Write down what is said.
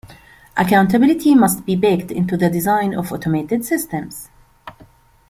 Accountability must be baked into the design of automated systems.